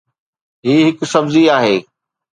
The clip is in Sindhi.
هي هڪ سبزي آهي